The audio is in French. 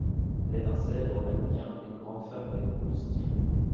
Elle est un célèbre mannequin et une grande femme avec beaucoup de style.